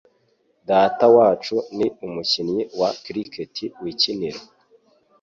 Datawacu ni umukinnyi wa Cricket wikinira.